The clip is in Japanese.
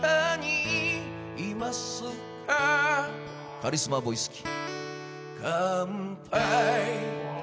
カリスマボイス期。